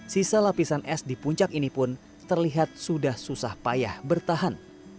sisa lapisan es di puncak ini pun terlihat sudah susah payah bertahan